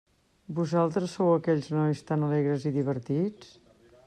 Vosaltres sou aquells nois tan alegres i divertits?